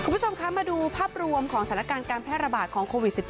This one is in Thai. คุณผู้ชมคะมาดูภาพรวมของสถานการณ์การแพร่ระบาดของโควิด๑๙